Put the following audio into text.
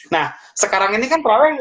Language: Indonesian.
nah sekarang ini kan proyek